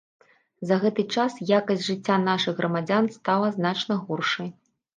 За гэты час якасць жыцця нашых грамадзян стала значна горшай.